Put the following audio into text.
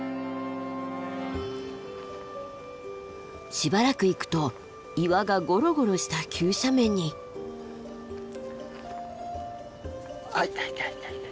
しばらく行くと岩がゴロゴロした急斜面に。あっいたいたいたいた！